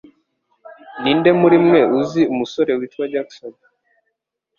Ninde muri mwe uzi umusore witwa Jackson?